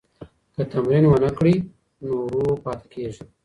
که تمرین ونکړئ نو ورو پاتې کیږئ.